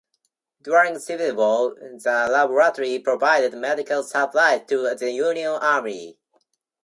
During the Civil War, the laboratory provided medical supplies to the Union army.